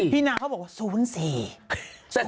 นางเขาบอกว่า๐๔